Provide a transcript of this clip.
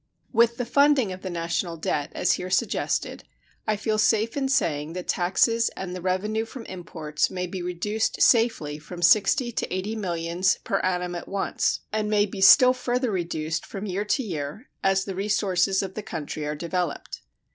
With the funding of the national debt, as here suggested, I feel safe in saying that taxes and the revenue from imports may be reduced safely from sixty to eighty millions per annum at once, and may be still further reduced from year to year, as the resources of the country are developed.